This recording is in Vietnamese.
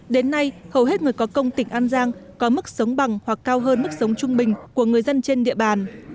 đến nay hầu hết người có công tỉnh an giang có mức sống bằng hoặc cao hơn mức sống trung bình của người dân trên địa bàn